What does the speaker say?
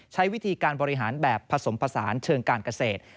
ใช้วิธีการบริหารแบบผสมผสานเชิงการเกษตร